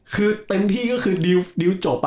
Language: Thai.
คือเต็มที่ก็คือดิวจบ